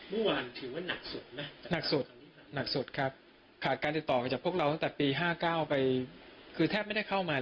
ถือว่านักสลุดขัดการจัดต่อมาจากพวกเราตั้งแต่ปี๕๙ไปคือแทบไม่ได้เข้ามาเลยนะ